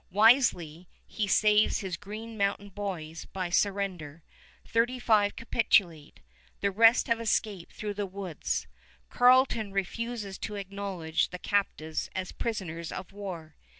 Wisely, he saves his Green Mountain boys by surrender. Thirty five capitulate. The rest have escaped through the woods. Carleton refuses to acknowledge the captives as prisoners of war.